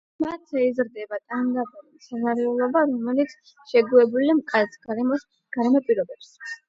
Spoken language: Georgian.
მათზე იზრდება ტანდაბალი მცენარეულობა, რომელიც შეგუებულია მკაცრ გარემო პირობებს.